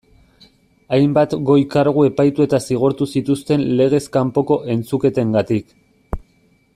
Hainbat goi kargu epaitu eta zigortu zituzten legez kanpoko entzuketengatik.